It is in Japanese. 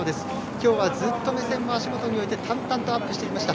今日はずっと目線も足元に置いて淡々とアップしていました。